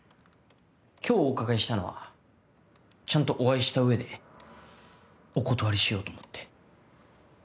今日お伺いしたのはちゃんとお会いした上でお断りしようと思って。